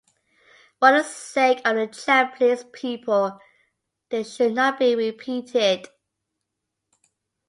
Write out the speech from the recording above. For the sake of the Japanese people, this should not be repeated.